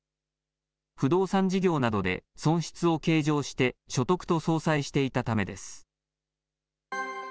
不動産事業などで損失を計上して所得と相殺していたためです。